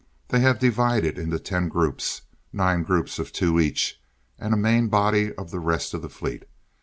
They have divided into ten groups, nine groups of two each, and a main body of the rest of the fleet.